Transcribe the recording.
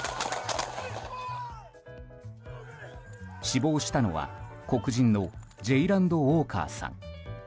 死亡したのは、黒人のジェイランド・ウォーカーさん。